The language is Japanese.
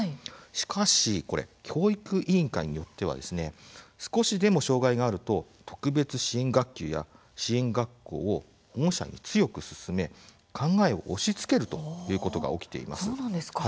しかし、教育委員会によっては少しでも障害があると特別支援学級や支援学校を保護者に強く勧め考えを押しつけるということが起きています。